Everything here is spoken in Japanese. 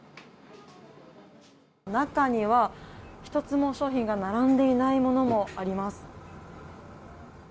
中には、１つも商品が並んでいないものもあります。